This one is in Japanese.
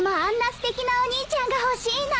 すてきなお兄ちゃんが欲しいな。